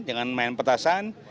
jangan main petasan